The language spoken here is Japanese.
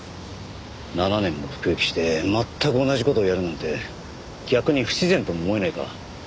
７年も服役して全く同じ事をやるなんて逆に不自然とも思えないか？